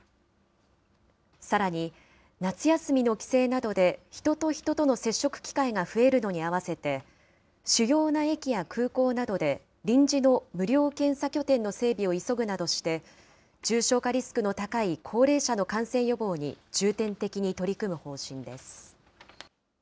さらに夏休みの帰省などで、人と人との接触機会が増えるのに合わせて、主要な駅や空港などで臨時の無料検査拠点の整備を急ぐなどして、重症化リスクの高い高齢者の感染予防に重点的に取り組む方針です。